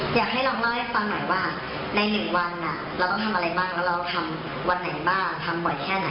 อยากให้ลองเล่าให้ฟังหน่อยว่าใน๑วันเราต้องทำอะไรบ้างแล้วเราทำวันไหนบ้างทำบ่อยแค่ไหน